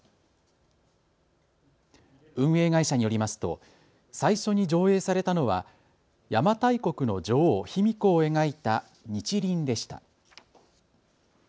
運営会社によりますと最初に上映されたのは邪馬台国の女王、卑弥呼を描いた日輪でした。